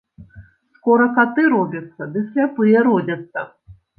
Скора каты робяцца, ды сляпыя родзяцца